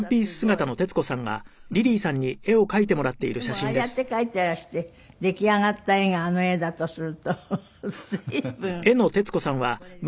でもああやって描いていらして出来上がった絵があの絵だとすると随分これですよ。